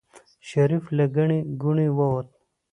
شريف له ګڼې ګوڼې ووت.